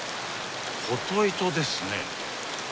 琴糸ですね。